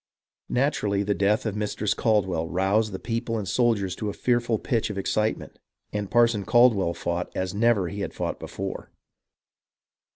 Naturally, the death of Mistress Caldwell roused the people and soldiers to a fearful pitch of excitement, and Parson Caldwell fought as never he had fought before.